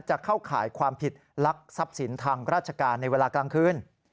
จะเข้าข่ายความผิดลักทรัพย์สินทางราชการในเวลากลางคืน